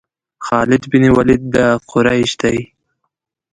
خالد بن ولید د قریش دی.